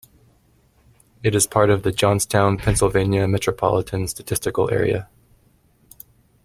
It is part of the Johnstown, Pennsylvania, Metropolitan Statistical Area.